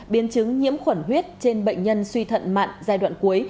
biến chứng nhiễm khuẩn huyết trên bệnh nhân suy thận mạng giai đoạn cuối